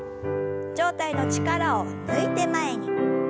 上体の力を抜いて前に。